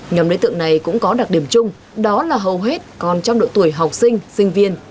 nhóm đối tượng này cũng có đặc điểm chung đó là hầu hết còn trong độ tuổi học sinh sinh viên